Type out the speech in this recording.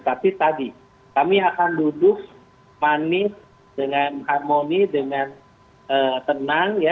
tapi tadi kami akan duduk manis dengan harmoni dengan tenang